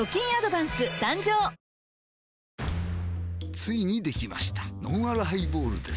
ついにできましたのんあるハイボールです